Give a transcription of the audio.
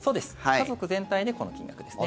家族全体でこの金額ですね。